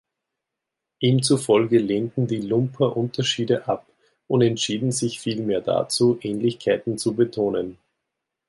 Ihm zufolge lehnten die Lumper Unterschiede ab und entschieden sich vielmehr dazu, Ähnlichkeiten zu betonen.